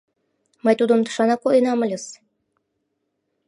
— Мый тудым тышанак коденам ыльыс.